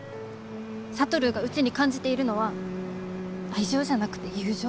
智がうちに感じているのは愛情じゃなくて友情。